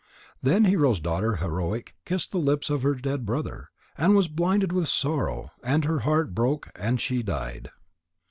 Then Hero's daughter Heroic kissed the lips of her dead brother, and was blinded with sorrow, and her heart broke, and she died.